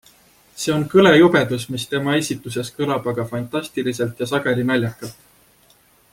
See on kõle jubedus, mis tema esituses kõlab aga fantastiliselt ja sageli naljakalt.